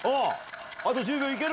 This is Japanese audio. あと１０秒行ける？